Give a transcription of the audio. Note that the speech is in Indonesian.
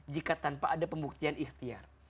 jika tanpa ada pembuktian ikhtiar